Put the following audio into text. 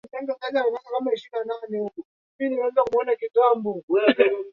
jambo lililopunguza idadi ya watu kwa theluthi moja